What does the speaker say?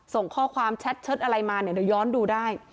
ส่งข้อความแชทเชิดอะไรมาเนี่ยเดี๋ยวย้อนดูได้